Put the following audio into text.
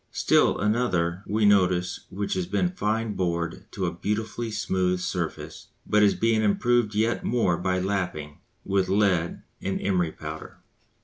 Still another we notice which has been "fine bored" to a beautifully smooth surface but is being improved yet more by "lapping" with lead and emery powder.